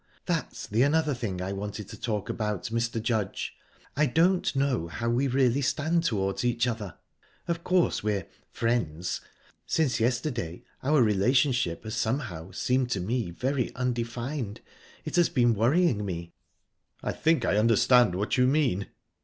"That's the another thing I wanted to talk about, Mr. Judge. I don't know how we really stand towards each other...Of course we're friends... Since yesterday, our relationship has somehow seemed to me very undefined. It has been worrying me." "I think I understand what you mean."